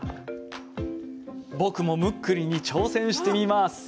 僕もムックリに挑戦してみます！